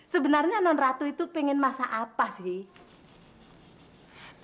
sebenarnya non ratu itu pengen masa apa sih